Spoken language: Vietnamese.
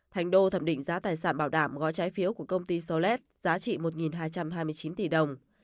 thành đô thẩm định giá tài sản bảo đảm gói trái phiếu của công ty solet giá trị một hai trăm hai mươi chín tỷ đồng